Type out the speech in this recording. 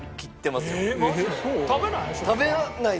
食べない？